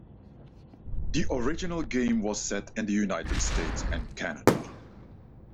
The original game was set in the United States and Canada.